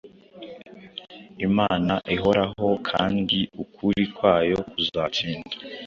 Imana ihoraho kandi ukuri kwayo kuzatsinda.